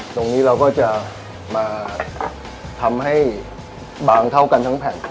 เราก็จะมาทำให้บางเท่ากันทั้งแผ่น